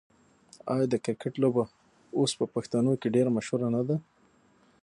آیا د کرکټ لوبه اوس په پښتنو کې ډیره مشهوره نه ده؟